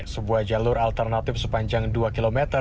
sebuah jalur alternatif sepanjang dua km